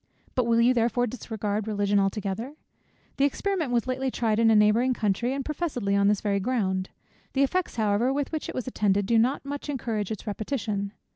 But will you therefore discard Religion altogether? The experiment was lately tried in a neighbouring country, and professedly on this very ground. The effects however with which it was attended, do not much encourage its repetition.